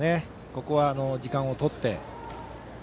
ここは時間をとって。